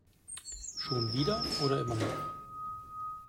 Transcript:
Schon wieder oder immer noch?